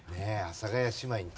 阿佐ヶ谷姉妹に。